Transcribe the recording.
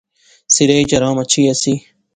سریچ ارام اچھی ایسی